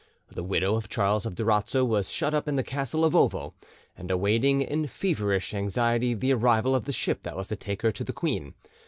The widow of Charles of Durazzo was shut up in the castle of Ovo, and awaiting in feverish anxiety the arrival of the ship that was to take her to the queen.